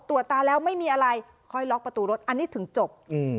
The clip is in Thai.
ตาแล้วไม่มีอะไรค่อยล็อกประตูรถอันนี้ถึงจบ